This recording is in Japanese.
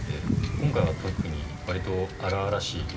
今回は特に割と荒々しいま